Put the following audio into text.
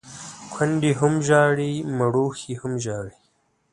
کونډي هم ژاړي ، مړوښې هم ژاړي.